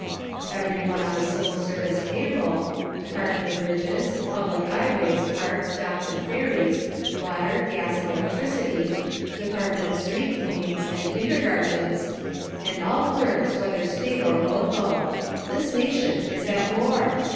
Every one on the Civil Service pay roll— Dept. of Bridges, Public High ways, Parks, Docks and Ferries, Water, Gas and Electricity; Dept. of Street Cleaning .and Kindergartens. And all clerks whether State or local : This nation is at war